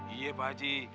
iya pak ji